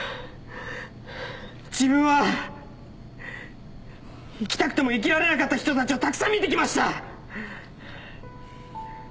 自分は生きたくても生きられなかった人たちをたくさん見てきました！